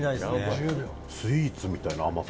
富澤：スイーツみたいな甘さ。